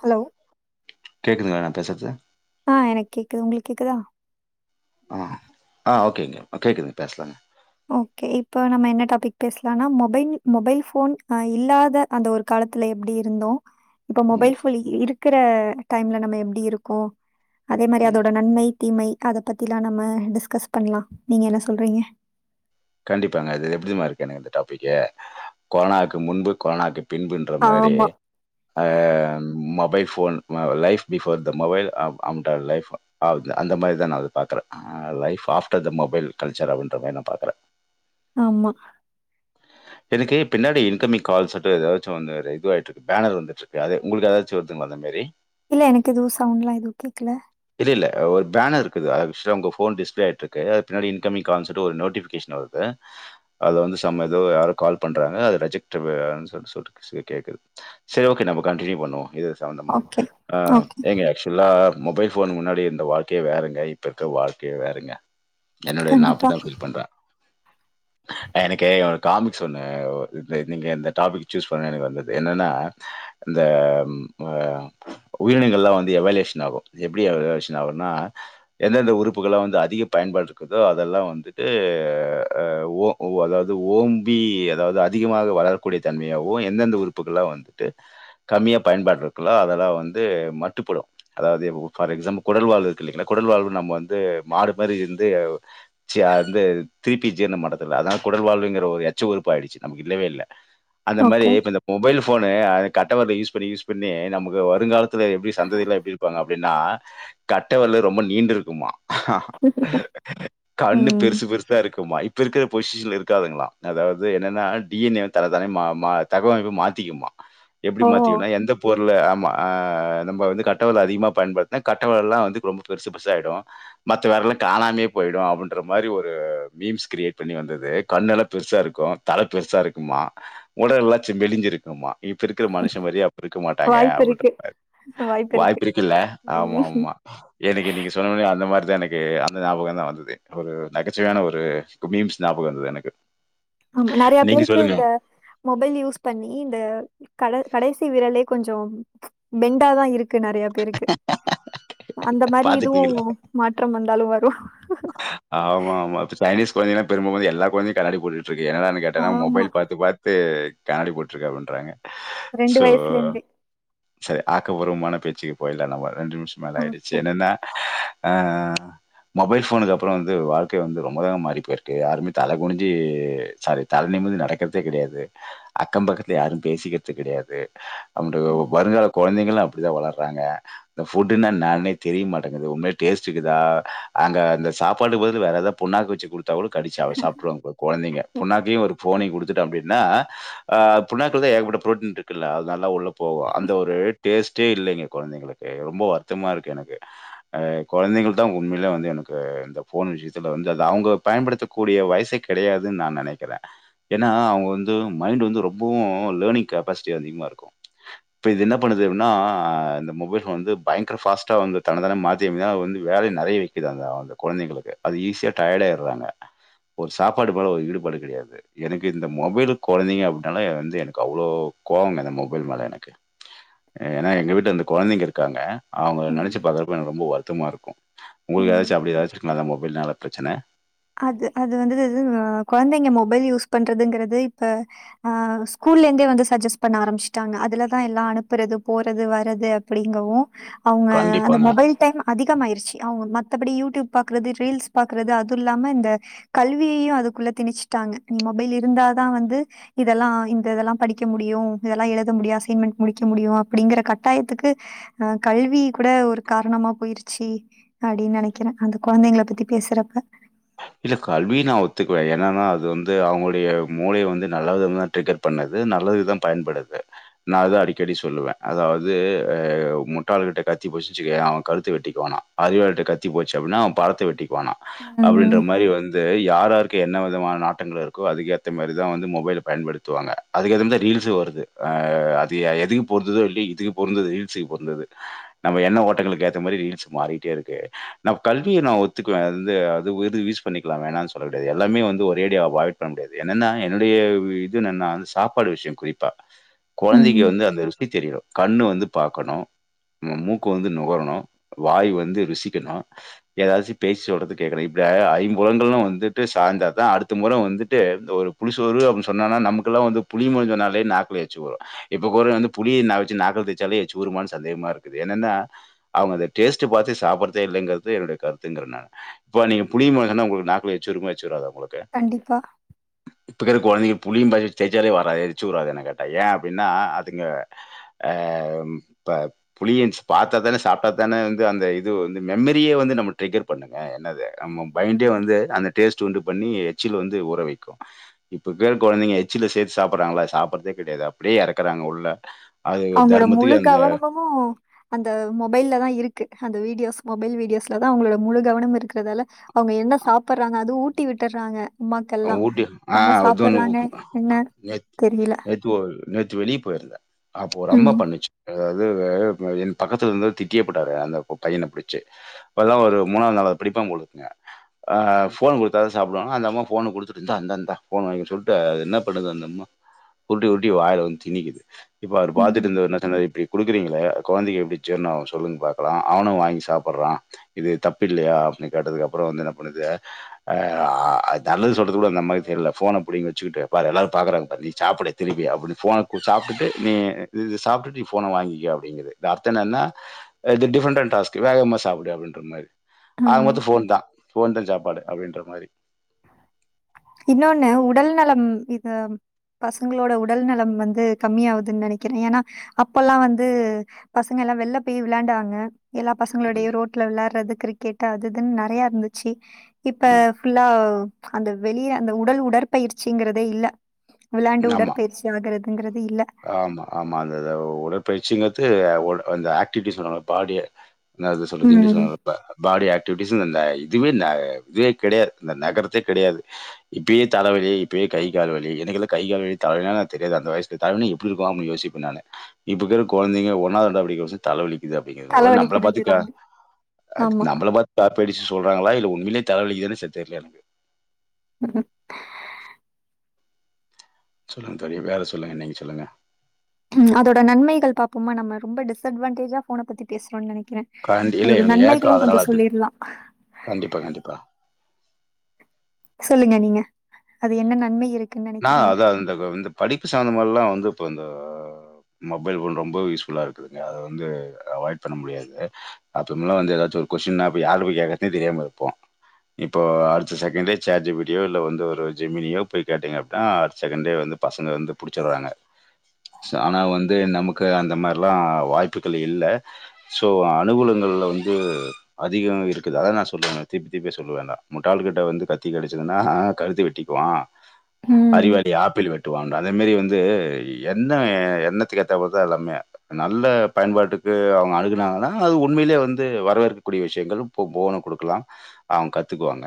Hello கேட்குதுங்களா நா பேசுறது ஆ எனக் கேக்குது உங்களுக்கு கேக்குதா ஆ ஆ ஓகேங்க இப்ப கேக்குதுங்க பேசலாங்க ஓகே இப்போ நம்ம என்ன டாபிக் பேசலானா மொபைல் மொபைல் ஃபோன் ஆ இல்லாத அந்த ஒரு காலத்துல எப்பிடி இருந்தோ இப்ப மொபைல் ம் ஃபோன் இருக்கிற டைம்ல நம்ம எப்பிடி இருக்கோ அதே மாரி ம் அதோட நன்மை தீமை அதை பத்தி எல்லா நம்ம டிஸ்கஸ் பண்ணலா நீங்க என்ன சொல்றீங்க கண்டிப்பாங்க அது எப்டி தெரியுமா இருக்கு எனக்கு இந்த டாபிக்கே கொரோனாக்கு முன்பு கொரோனாக்கு பின்புன்ற மாரி ஆமா, ஆ ஆன் மொபைல் ஃபோன் ஆ life before the mobile an அம்ட லைப் ஆவ த இத அந்த மாரி தா நா இத பார்க்கறே அ life after the mobile culture அப்டின்ற மாரி நா பாக்கறே ஆமா எனக்கு பின்னாடி இன்கமிங் கால்ஸ்ட்டு ஏதாச்சு வந்து இதுவாயட்ருக்கு பேனர் வந்துட்ருக்கு அது உங்களுக்கு ஏதாச்சு வருதுங்ள அந்த மேரி இல்ல எனக்கு எதுவு சாங்லா எதுவு கேக்கல இது இல்ல ஒரு பேனர் இருக்குது அது விஷ்வலா உங்க ஃபோன் டிஸ்பிளே ஆய்கிட்டு இருக்குது பின்னடி இன்கமிங் கால்ஸ்னு சொல்டு ஒரு நோட்டிபிகேஷன் வருது அது வந்து சம்ம இது யாரோ கால் பண்றாங்க அது ரெஜெக்ட்வு சொல் சொல்ட்டு கேக்குது சரி ஓகே நம்ம கண்ட்னியூ பண்ணுவோ இது சம்பந்தமா ஓகே, அ ஓகே. ஐங்க ஆக்சுவலா மொபைல் போன் முன்னாடி இருந்த வாழ்க்கையே வேறங்க இப்போ இருக்க வாழ்க்கையே வேறங்க என்னோடைய நா கண்டிப்பா. அப்டித்தா ஃபீல் பண்றே எனக்கே காமிக்ஸ் ஒன்னு நீங்க இந்த டாபிக் சூஸ் பண்ண எனக்கு வந்துது என்னன்னா இந்த அ உயிரினங்கள்ல்லா வந்து எவலியுஷன் ஆகு எப்டி எவலிஷன் ஆகுனா எந்தெந்த உறுப்புகளலா வந்து அதிக பயன்பாடுருக்குதோ அதெல்லா வந்துட்டு ஓ ஓ அதாவது ஓம் பி இ ஜ அதாவது அதிகமாக வளரக்கூடிய தன்மையாவூ எந்தெந்த உறுப்புகள்லா வந்துட்டு கம்மியா பயன்பாடு இருக்குல்ல அதெல்லா வந்து மட்டுப்படு அதாவது ஃபார் எக்ஸாம்பிள் குடல் வாழ் இருக்கு இல்லிங்ளா குடல் வாழ்வு நம்ம வந்து மாடு மாரி இருந்து சி வந்து [unintelligible] மட்டத்துல அதா குடல் வாழுங்குற ஒரு எட் ச்சு உறுப்பு ஆய்டுச்சு நமக்கு இல்லவே இல்ல அந்த மாரி ஓகே. இப்ப இந்த மொபைல் போனு அது கட்டவிரல யூஸ் பண்ணி யூஸ் பண்ணி நமக்கு வருங்காலத்துல எப்டி சந்ததியெல்லா எப்டி இருப்பாங்க அப்டின்னா கட்ட வெரலு ரொம்ப நீண்டுருக்குமா கண்ணு ம். பெருசு பெருசா இருக்குமா இப்ப இருக்குற பொசிஷன்ல இருக்காதுங்ளா அதாவது என்னன்னா டி என் ஏ தன்ன தானே தகவமைப்பே மாத்திக்குமா எப்படி ஓ! மாத்திகுனா எந்த பொருள ஆமா நம்ம வந்து கட் கட்டவெரல அதிகமா பயபடுத்துனா கட்டவெரல்லா வந்து ரொம்ப பெருச பெருச ஆய்டு மத்த வெரல்லா காணாமே பொய்டு அப்டின்ற மாரி ஒரு மீம்ஸ் கிரியேட் பண்ணி வந்துது கண்ணெல பெருசா இருக்கு தல பெருசா இருக்குமா உடல் எல்லா ச்ம் மெளிஞ்சிருக்குமா இப்போ இருக்ற மனுஷ மாரியே அப்ப இருக்க மாட்டாங்க வாய்ப்பு அப்டின்ற இருக்கு, மாரி வாய்ப்பு இருக்குல்ல ஆமா ம். ஆமா எனக்கு நீங்க சொன்ன ஒனே அந்த மாதிரிதா எனக்கு அந்த ஞாபகதா வந்துது ஒரு நகைச்சுவையான ஒரு மீம்ஸ் ஞாபகோ வந்துது எனக்கு ஆமா நறைய நீங்க பேருக்கு சொல்லுங்க. இந்த மொபைல் யூஸ் பண்ணி இந்த கட கடைசிவிரலே கொஞ்சோ பெண்டாதா இருக்கு நறைய பேருக்கு அந்த மாரி இதுவு பார்த்துட்டீங்களா? மாற்றம் வந்தாலு வரு ஆமா ஆமா இப்ப சைனீஸ் கொழந்தைகல்ல பெரும்பாலு வந்து எல்லா கொழந்தையு கண்ணாடி போட்டுட்ருக்கு என்னடானு கேட்டன்னா ஆமா மொபைல் பாத்து பாத்து கனாடி போட்டுருக்கு அப்டின்றாங்க ரெண்டு சோ வயசுல இருந்தே சரி ஆக்கபூர்வமான பேச்சுக்கு போய்ட்லா நம்ம ரெண்டு நிம்ஷோ மேல ஆய்டுச்சு ஓகே என்னன்னா அ அ மொபைல் போனுக்கப்றோ வந்து வாழ்க்கை வந்து ரொம்ப தாங்க மாறி பொய்ருக்கு யாருமே தல குனுஞ்சு சாரி தல நிமிந்து நடக்கற்தே கெடையாது அக்க பக்கத்துல யாரு பேசிக்றது கெடையாது அப்டு ம் வருங்கால கொழந்தைங்கலு அப்டி தா வளர்றாங்க இந்த ஃபுட்டுன்னா என்னானே தெரிய மாட்டங்குது உண்மையிலே டேஸ்ட்ருக்குதா அங்க அந்த சாப்பாட்டுக்கு பதில் வேற ஏத புண்ணாக்கு வச்சு குடுத்தா கூட கடிச்சு அத சாப்ட்ருவாங்க கொழந்தைங்க புண்ணாக்கையு ஒரு ஃபோனையு குடுத்துட்டோ அப்டினா அ புண்ணாக்குலதா ஏகப்பட்ட புரோட்டீன் இருக்குல்ல அது நல்ல உள்ள போ ப்போ அந்த ஒரு டேஸ்ட்டே இல்லைங்க கொழந்தைங்களுக்கு ரொம்ப வருத்தமா இருக்கு எனக்கு ஆ கொழந்தைங்க தா உண்மையில வந்து எனக்கு இந்த போன் விஷயத்துல வந்துது அவங்க பயன்படுத்தக்கூடிய வயசே கெடையாதுன்னு நா நெனைக்கிறே ஏன்னா அவங்க வந்து மைண்ட் வந்து ரொம்பவும் லேர்னிங் கப்பாசிட்டி அதிகமா இருக்கும் இப்ப இது என்ன பண்ணுதுனா இந்த மொபைல் வந்து பயங்கர பாஸ்ட்டா வந்து தனதன மாத்தி அது வந்து வேலைய நெறைய வைக்குது அந்த அந்த கொழந்தைங்களுக்கு அது ஈஸியா டயர்டாயடுறாங்க ஒரு சாப்பாடு மேல ஒரு ஈடுபாடு கெடையாது எனக்கு இந்த மொபைலு கொழந்தைங்க அப்படின்னால வந்து எனக்கு அவ்ளோ கோவங்க இந்த மொபைல் மேல எனக்கு ஏன்னா எங்க வீட்டுல ரெண்டு கொழந்தைங்க இருக்காங்க அவங்க ம் நினைச்சு பாக்குறப்ப எனக்கு ரொம்ப வருத்தமா இருக்கும் உங்களுக்கு ம். ஏதாச்சு அப்டி ஏதாச்சு இருக்கனால மொபைல்னால பிரச்சன அது அது வந்து ஆ கொழந்தைங்க மொபைல் யூஸ் பண்றதுங்கறது இப்ப ஆ ஸ்கூல்ல இருந்தே வந்து சஜஸ்ட் பண்ண ஆரம்பிச்சுட்டாங்க அதுலதா எல்லா அனுப்புறது போறது வர்றது அப்படிங்கவும் அவங்க அந்த கண்டிப்பாங்க. மொபைல் டைம் அதிகமாயிடுச்சு அவங்க மத்தபடி யூடியூப் பாக்குறது ரீல்ஸ் பாக்றது அது இல்லாம இந்த கல்வியையு அதுக்குள்ள திணச்சுட்டாங்க நீ மொபைல் இருந்தாதா வந்து இதெல்லா இந்த இதெல்லா படிக்க முடியும் இதெல்லா எழுத முடியும் அசைன்மெண்டட் முடிக்க முடியும் அப்படிங்கற கட்டாயத்துக்கு ஆ கல்வி கூட ஒரு காரணமா போயிருச்சு அப்படின்னு நினைக்கிறே அந்த கொழந்தைங்கள பத்தி பேசுறப்ப இல்ல கல்விய நா ஒத்துக்குவே என்னன்னா அது வந்து அவங்களுடைய மூளைய வந்து நல்ல விதந்தா டேக்கேர் பண்ணுது நல்லதுக்கு தா பயன்படுது நா அதுதா அடிக்கடி சொல்லுவே அதாவது ஆ முட்டாள கிட்ட கத்தி போச்சுச்சுக்குவே அவெ கழுத்து வெட்டிக்குவானா அறிவாளி கிட்ட கத்தி போச்சு அப்படின்னா அவன் பாரத்த வெட்டிக்குவானா ம் அப்டின்ற மாரி வந்து யாராருக்கு என்ன விதமான நாட்டங்கள் இருக்கோ அதுக்கேத்த மாரி தா வந்து மொபைல பயன்படுத்துவாங்க அதுக்கு ஏத்தமாரிதா ரீல்ஸு வருது ஆ அது எதுக்கு பொருந்ததோ இல்லைய இதுக்கு பொருந்தது ரீல்ஸுக்கு பொருந்தது நம்ம எண்ண ஓட்டங்களுக்கு ஏத்த மாதிரி ரீல்ஸ் மாறிட்டே இருக்கு நம் கல்விய நா ஒத்துக்குவே வந்து அது யூஸ் பண்ணிக்கலா வேணான்னு சொல்ல முடியாது எல்லாமே வந்து ஒரேடியா அவாய்ட் பண்ண முடியாது என்னுடைய இது சாப்பாடு விஷயோ குறிப்பா ம். கொழந்தைங்க வந்து அந்த ருசி தெரியும் கண்ணு வந்து பாக்கணும் மூக்கு வந்து நுகரணும் வாய் வந்து ருசிக்கணும் ஏதாச்சு பேச்சு சொல்றதுக்கு கேடக்கனும் இப்ப ஐம்புலன்களும் வந்துட்டு சாய்ந்தா தா அடுத்த முற வந்துட்டு ஒரு புளிசோறு அப்டினு சொன்னானா நமக்கலா வந்து புளிம்முன் சொன்னாலே நாக்குல எச்சி ஊரும் இப்ப போற வந்து புளிய ந வச்சு நாக்கள தேச்சாலே எச்சி ஊருமானு சந்தேகமா இருக்குது ஏன்னன்னா அவங்க அத டேஸ்ட்டு பாத்து சாப்பிடறதே இல்லங்கிறது என்னுடைய கருத்துங்கிறே நானு இப்ப நீங்க புளியமான்னு சொன்னா உங்களுக்கு நாக்குல எச்சிஊருமா எச்சி ஊராதா உங்களுக்கு கண்டிப்பா [unintelligible] இப்பக்கிற கொழந்தைங்க புளியும் பதி வெச்சு தேச்சாலே வராது எரிச்சி ஊராது என்ன கேட்டா ஏ அப்படின்னா அதுங்க ஆ ப்ப புளிய ப பாத்தாதான சாப்பிட்டா தான வந்து அந்த இது வந்து மெமரியே வந்து நம்ம ட்ரிகர் பண்ணுங்க இன்னது நம்ம மைண்டே ம். வந்து அந்த டேஸ்ட் உண்டு பண்ணி எச்சில் வந்து ஊற வைக்கும் இப்ப க்குற கொழந்தைங்க எச்சில சேத்து சாப்பிடறாங்களா சாப்பிடறதே கெடையாது அப்படியே எறக்கறாங்க உள்ள அது அவங்களோட முழு தர்மத்துக்கு அந்த கவனமும் அந்த மொபைல்ல தா இருக்கு அந்த வீடியோஸ் மொபைல் வீடியோஸ்ல தா அவங்களோட முழு கவனமும் இருக்கறதால அவங்க என்ன சாப்பிடுறாங்க அதுவும் ஊட்டி விட்டுறாங்க அம்மாக்கள்லா ஊட்டி ஆ என்ன அதுன்னு சாப்பிடுறாங்க என்ன தெரியல தோல் நேத்து வெளிய போயிருந்த அப்போ ஒரு அம்மா ம். பண்ணுச்சு அதாவது என் பக்கத்துல இருந்த திட்டியேப்புட்டாரு அந்த பையன புடிச்சி இப்பதா ஒரு மூணாவது நாளாவது படிப்பான் போல் இருக்குங்க அ போன் குடுத்தாதா சாப்டுவானா அந்த அம்மா போன குடுத்துட்டு இந்தா இந்தா இந்தா போன் வாங்கி சொல்ட்டு என்ன பண்ணுது அந்தம்மா உருட்டி உருட்டி வயில வந்து திணிக்குது இப்ப அவர் பாத்துட்டு ம். இருந்தவரு என்னா சொன்னாரு இப்டி குடுக்குறீங்ளே அது கொழந்தைக்கு எப்டி ஜீர்னாகு சொல்லுங் பாக்லா அவனு வாங்கி சாப்பட்றா இது தப்பில்லயா அப்டின்னு கேட்டதுக்கு அப்றோ வந்து என்ன பண்ணுது அ நல்லது சொல்றது கூட அந்தம்மாக்கு தெர்ல போன புடுங்கி வச்சுகிட்டுப் பாரு எல்லாரு பாக்கறாங்க பாரு நீ சாப்புடு திரும்பியு அப்டினு போன் கொஞ் சாப்டுட்டு நீ இது சாப்டுட்டு நீ போன வாங்கிக்கோ அப்டிங்குது இது அர்த்தோ என்னனா இது டிஃரெண்டன்ட் டாஸ்க் வேகமா சாப்புடு அப்டின்ற மாரி ஆக ஆமா. மொத்தோ போன்தா போன்தா சாப்பாடு அப்டின்ற மாரி இன்னொன்னு உடல் நலம் இது பசங்களோட உடல் நலம் வந்து கம்மி ஆவுதுன் நெனைக்கற ஏன்னா அப்பல்லா வந்து பசங்களா வெள்ல போய் வெளாண்டாங்க எல்லா ம் பசங்களோடயு ரோட்ல வெளாட்றது கிரிக்கெட் அது இதுன் நறையா இருந்துச்சு இப்ப ம். ஃபுல்லா அந்த வெளிய அந்த உடல் உடற்பயிற்சிங்கறதே இல்ல வெளாண்டு ஆமா, உடற்பயிற்சி ஆகுறதுங்கிறது இல்ல ஆமா, ஆமா அந்தத உடற்பயிற்சிங்றது அந்த ஆக்டிவிட்டிஸ் உள்ள பாடிய என்ன அது சொல்றது இங்க்லீஷ்ல ம். நல் லா பாடி ஆக்டிவிட்டிஸ் இந்த இதுவே ந இதே கெடையாது இந்த நகர்தே கெடையாது இப்பயே தலவலி இப்பயே கைகால் வலி எனக்கெல்லா கைகால் வலி தல வலினா எனக்கு தெரியாது அந்த வயசுல தல வழினா எப்டிருக்கு அப்டினு யோசிப்ப நானு இப்ப இக்குற கொழந்தைங்க ஒன்னாது ரெண்டாது படிக்கற பசங்க தல வலிக்குது அப்டிங்கறது ஒருவேள நம்மள பாத்துக்க தலைவலிக்குதுங்கிறாங்க. அது ஆமா. நம்மள பாத் காப்பி அடிச்சு சொல்றாங்ளா இல்ல உண்மேல தல வலிக்குதுன்னு செ தெர்ல எனக்கு சொல்லுங்க தோழி வேற சொல்லுங்க நீங்க சொல்லுங்க ம் அதோட நன்மைகள் பாப்போமா நம்ம ரொம்ப டிஸ்அட்வான்டேஜா போன பத்தி பேசுறோன்னு நெனைக்கற கண்டி இல்ல அதோட எனக்கு ஏக்கம் நன்மைகளு கொஞ்சோ அதனால அது. சொல்லிறளா கண்டிப்பா கண்டிப்பா சொல்லுங்க நீங்க அது என்ன நன்மை இருக் நா அதா அந்த இந்த படிப்பு சமந்தமாளா வந்து இப்ப இந்த மொபைல் போன் ரொம்ப யூஸ் ஃபுல்லா இருக்குதுங்க அது வந்து அவாய்ட் பண்ண முடியாது அப்பமெல்லா வந்து ஏதாச்சு ஒரு கொஸ்டின்னா அப்ப யார்ட போய் கேக்கறதே தெரியாம இருப்போ இப்போ அடுத்த செகண்ட்டே சேட் ஜிபிடியோ இல்ல வந்து ஒரு ஜெமீனியோ போய் கேட்டீங்க அப்டின்னா அடுத்த செகண்டே வந்து பங்க வந்து புடிச்சட்றாங்க சோ ஆனா வந்து நமக்கு அந்த மார்லா வாய்ப்புக்கள் இல்ல சோ அனுகூலங்கள்ல வந்து அதிகோ இருக்குது அத நா சொல்லுவ திருப்பி திருப்பி சொல்ல வேண்டா முட்டாள கிட்ட வந்து கத்தி கெடச்சதுன்னா ஆ கழுத்த வெட்டிக்குவா ம் அறிவாளி ஆப்பிள் வெட்டுவான்டா அதே மாரி வந்து என்ன எண்ணத்துக்கு ஏத்த போலதா எல்லாமே நல்ல பயன்பாட்டுக்கு அவுங்க அணுகுனாங்கன்னா அது உண்மைலே வந்து வரவேற்கக்கூடிய விஷயங்களு அப்போ போன குடுக்லா அவுங்க கத்துக்குவாங்க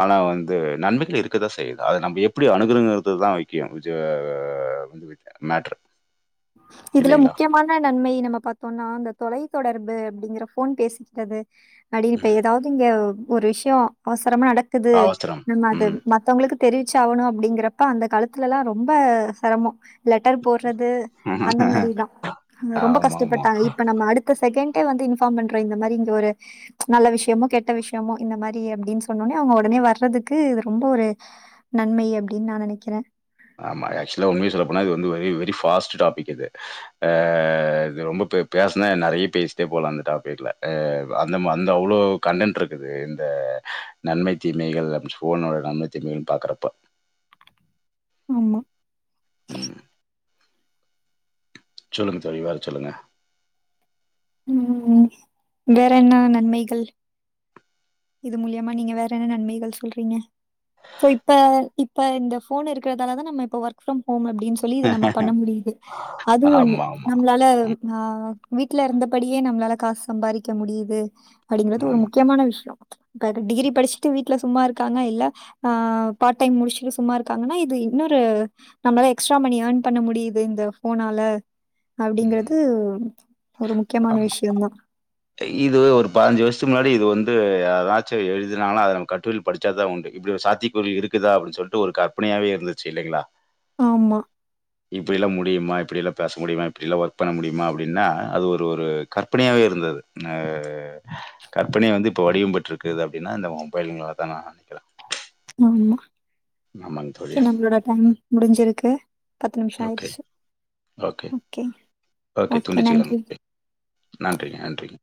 ஆனா வந்து நன்மைகள் இருக்கதா செய்யு அத நம்ம எப்படி அணுகுருங்குறுதுதா முக்கியோ வந்து மேட்ரு இதுல இல்லைங்களா? முக்கியமா ன நன்மை நம்ம பாத்தோனா இந்த தொலை தொடர்பு அப்டிங்கற ஃபோன் பேசிக்கிறது அப்டின் இப்ப எதாவுது இங்க ஒரு விஷ்யோ அவசரமா நடக்குது அவசரம். நம்ம அது ம். மத்தவங்களுக்கு தெரிவிச்ச ஆகணு அப்டிங்கறப்ப அந்த காலத்துலலா ரொம்ப செரமோ லெட்டர் போட்றது அந்த மாரிதா ரொம்ப ஆமாமா. கஷ்டப்பட்டாங்க இப்ப நம்ம அடு த்த செகண்டே வந்து இன்ஃபார்ம் பண்றோ இந்த மாரி இங்க ஒரு நல்ல விஷ்யமோ கெட்ட விஷ்யமோ இந்த மாரி அப்டின் சொன்னோனே அவுங்க ஒடனே வர்றதுக்கு ரொம்போ ஒரு நன்மை அப்டின் நா நெனைக்கிறே ஆமா ஆக்சுலா உண்மைய சொல்ல போனா இது வந்து வெரி வெரி ஃபாஸ்ட் டாபிக் இது ஆ இது ரொம்ப பே பேசுனா நறையா பேசிட்டே போலா அந்த டாப்பிக்ல அ அந்த மா அந்த அவ்ளோ கண்டென்ட் இருக்குது இந்த நன்மை தீமைகள் ஃபோனோட நன்மை தீமைகள் பாக்கறப்ப ஆமா ம் சொல்லுங்க தோழி வேற சொல்லுங்க ம் வேற என்னா நன்மைகள் இது மூலியமா நீங்க வேற என்ன நன்மைகள் சொல்றீங்க சோ இப்ப இப்ப இந்த ஃபோன் இருக்கதால தா நம்ம இப்ப ஒர்க் ஃப்ரம் ஹோம் அப்டின் சொல்லி இது நம்ம பண்ண முடியிது அது ஒண்ணு ஆமா, ஆமா. நம்ளால ம். ஆ வீட்ல இருந்தபடியே நம்ளால காஸ் சம்பாரிக்க முடியிது அப்டிங்கறது ஒரு ஆமா. முக்கியமான விஷ்யோ பாரு டிகிரி படிச்சிட்டு வீட்ல சும்மா இருக்காங்க இல்ல ஆ பார்ட் டைம் முடிச்சிட்டு சும்மா இருக்காங்கன்னா இது இன்னொரு நம்மளா எக்ஸ்ட்ரா மணி ஏர்ன் பண்ண முடியிது இந்த ஃபோனால ம். அப்டிங்கறது ஒரு முக்யமான ஆமா. விஷ்யந்தா இது ஒரு பதனஞ்சு வர்ஷத்துக்கு முன்னாடி இது வந்து எதாச்சு எழுதினாலு அத நம்ம கட்டுரைல படுச்சாதா உண்டு இப்டி ஒரு சாத்திய கூரு இருக்குதா அப்டி சொல்லிட்டு ஒரு கற்பனையாவே இருந்துச்சு இல்லைங்ளா ஆமா இப்பயெல்லா முடியிமா இப்டியெலா பேச முடியிமா இப்டியெல்லா ஒர்க் பண்ண முடியிமா அப்டின்னா அது ஒரு ஒரு கற்பனையாவே இருந்துது ஆ கற்பனைய வந்து இப்போ வடிவம் பெற்ருக்குது அப்டின்னா இந்த மொபைல்கள்லா தா நா நெனைக்கிறே ஆம்மா ஆமாங் தோ ஓகே நம்ளோட டைம் முடிஞ்சிருக்கு பத்து நிம்ஷோ ஓகே, ஆயிருச்சி ஓகே ஓகே துண்டிச்சுவிடவு [inaudible] நன்றிங்க நன்றிங்க